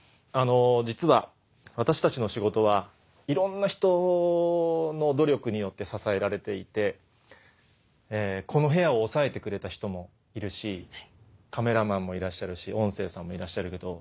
実は私たちの仕事はいろんな人の努力によって支えられていてこの部屋を押さえてくれた人もいるしカメラマンもいらっしゃるし音声さんもいらっしゃるけど。